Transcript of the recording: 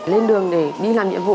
lên đường để đi làm nhiệm vụ